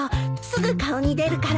すぐ顔に出るから。